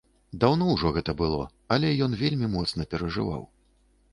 Даўно ўжо гэта было, але ён вельмі моцна перажываў.